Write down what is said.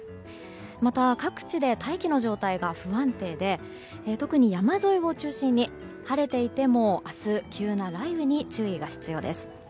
また、各地で大気の状態が不安定で特に山沿いを中心に晴れていても明日、急な雷雨に注意が必要です。